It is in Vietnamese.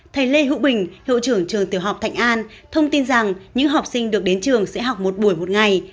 thầy lê hữu bình hiệu trưởng trường tiểu học thạnh an thông tin rằng những học sinh được đến trường sẽ học một buổi một ngày